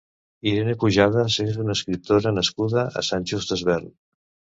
Irene Pujadas és una escriptora nascuda a Sant Just Desvern.